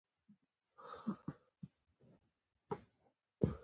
زه د رسنیو له لارې ځان باخبره ساتم.